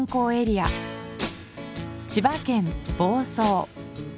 千葉県房総。